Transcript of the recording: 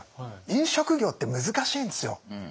飲食業って難しいんですよ。